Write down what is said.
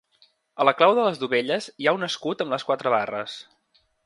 A la clau de les dovelles hi ha un escut amb les quatre barres.